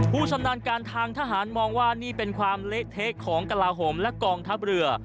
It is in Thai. ชำนาญการทางทหารมองว่านี่เป็นความเละเทะของกลาโหมและกองทัพเรือ